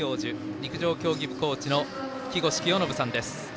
陸上競技部コーチの木越清信さんです。